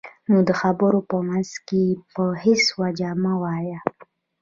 نو د خبرو په منځ کې په هېڅ وجه مه وایئ.